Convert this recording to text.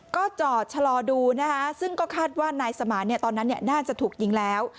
ก็จอดชะลอดูนะคะซึ่งก็คาดว่านายสมานตอนนั้นน่าจะถูกยิงแล้ว